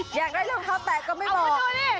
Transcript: อยากได้รองข้าวแตกก็ไม่บอก